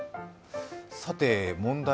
さて、問題